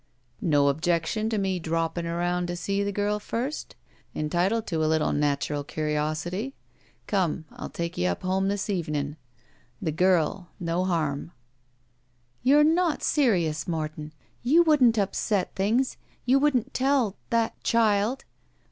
"No objection to me droppin* around to see the girl first? Entitled to a little natural curiosity. Come, I'll take you up home this evenin'. The girl. No harm." 'TTou're not serious, Morton. You wouldn't upset things. You wotddn't tell — ^that — child!"